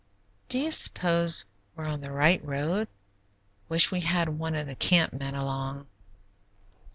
"Do you s'pose we're on the right road? Wish we had one of the camp men along."